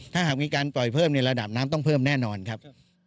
ถ้าหากมีการปล่อยเพิ่มในระดับน้ำต้องเพิ่มแน่นอนครับ